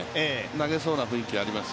投げそうな雰囲気があります。